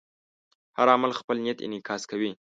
هر عمل خپل نیت انعکاس کوي.